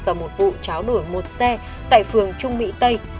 và một vụ cháo đổi một xe tại phường trung mỹ tây